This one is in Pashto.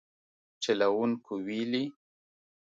چلوونکو ویلي